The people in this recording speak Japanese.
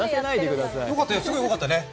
すごくよかったね。